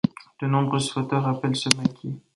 De nombreuses photos rappellent ce maquis.